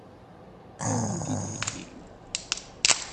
Ad wen-t-id-heggin?